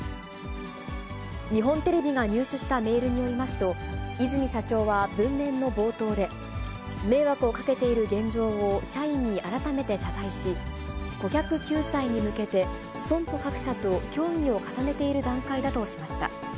日本テレビが入手したメールによりますと、和泉社長は文面の冒頭で、迷惑をかけている現状を社員に改めて謝罪し、顧客救済に向けて、損保各社と協議を重ねている段階だとしました。